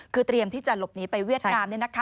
คือเตรียมที่จะหลบหนีไปเวียดนาม